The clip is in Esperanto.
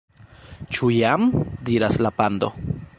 "Ĉu jam?" diras la pando.